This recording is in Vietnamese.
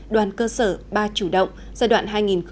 đoàn cơ sở ba chủ động giai đoạn hai nghìn một mươi chín hai nghìn hai mươi